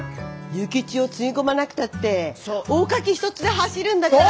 諭吉をつぎ込まなくたっておかき一つで走るんだから。